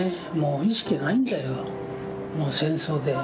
意識がないんだよ、戦争で。